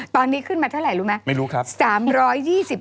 ตอนนี้ขึ้นมาเท่าไหร่รู้ไหมไม่รู้ครับ